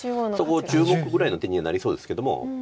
そこ１０目ぐらいの手にはなりそうですけども。